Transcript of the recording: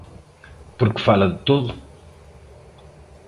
Porque fala de todo.